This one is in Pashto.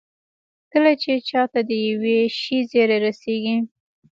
کله چې چا ته د يوه شي زېری رسېږي.